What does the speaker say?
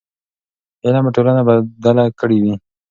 علم به ټولنه بدله کړې وي.